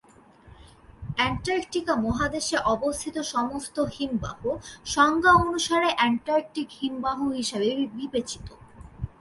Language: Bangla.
অ্যান্টার্কটিকা মহাদেশে অবস্থিত সমস্ত হিমবাহ সংজ্ঞা অনুসারে অ্যান্টার্কটিক হিমবাহ হিসাবে বিবেচিত।